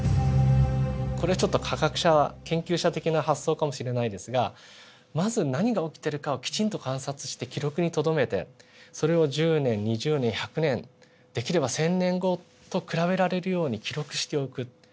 これはちょっと科学者研究者的な発想かもしれないですがまず何が起きているかをきちんと観察して記録にとどめてそれを１０年２０年１００年できれば１，０００年後と比べられるように記録しておく。